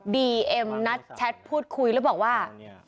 บีเอ็มนัดแชทพูดคุยแล้วบอกว่า